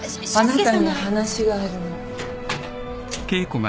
あなたに話があるの。